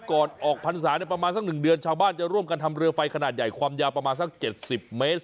ก่อนออกพรรษาประมาณสัก๑เดือนชาวบ้านจะร่วมกันทำเรือไฟขนาดใหญ่ความยาวประมาณสัก๗๐เมตร